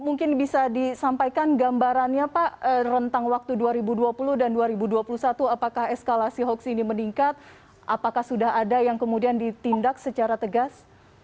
mungkin bisa disampaikan gambarannya pak rentang waktu dua ribu dua puluh dan dua ribu dua puluh satu apakah eskalasi hoax ini meningkat apakah sudah ada yang kemudian ditindak secara tegas